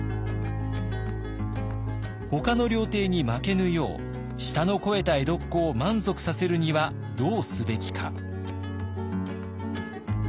ほかの料亭に負けぬよう舌の肥えた江戸っ子を満足させるにはどうすべきか。